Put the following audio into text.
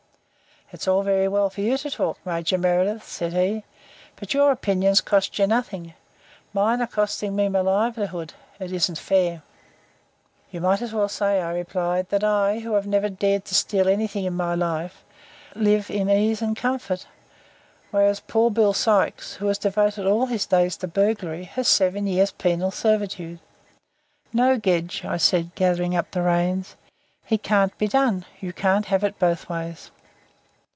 "It's all very well for you to talk, Major Meredyth," said he, "but your opinions cost you nothing mine are costing me my livelihood. It isn't fair." "You might as well say," I replied, "that I, who have never dared to steal anything in my life, live in ease and comfort, whereas poor Bill Sykes, who has devoted all his days to burglary, has seven years' penal servitude. No, Gedge," said I, gathering up the reins, "it can't be done. You can't have it both ways."